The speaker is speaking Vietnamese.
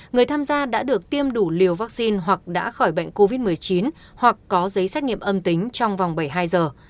người tham gia đã được tiêm đủ liều vaccine hoặc đã khỏi bệnh covid một mươi chín hoặc có giấy xét nghiệm âm tính trong vòng bảy mươi hai giờ